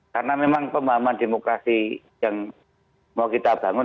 karena memang pemahaman demokrasi yang mau kita bangun